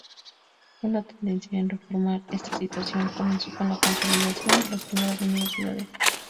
Una tendencia a reformar esta situación comenzó con la consolidación de las primeras universidades.